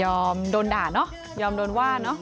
โดนด่าเนอะยอมโดนว่าเนอะ